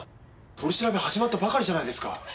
取り調べ始まったばかりじゃないですか。